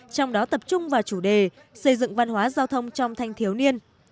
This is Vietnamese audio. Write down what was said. trong đó tập trung vào chủ đề xây dựng văn hóa giao thông trong thanh thiếu niên